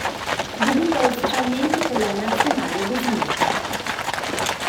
Debutta ufficialmente con la Nazionale bosniaca.